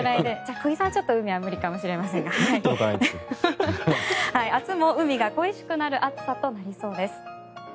小木さんは海は無理かもしれませんが明日も海が恋しくなる暑さとなりそうです。